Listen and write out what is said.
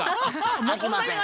できません。